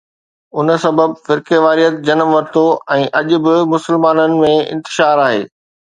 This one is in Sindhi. ان سبب فرقيواريت جنم ورتو ۽ اڄ به مسلمانن ۾ انتشار آهي.